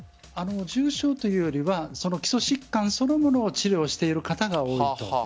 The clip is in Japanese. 重症というよりは基礎疾患そのものを治療している方が多いと。